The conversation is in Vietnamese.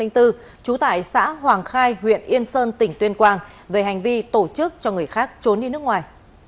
trú tại xã hoàng khai huyện yên sơn tỉnh tuyên quang về hành vi tổ chức cho người khác trốn đi nước ngoài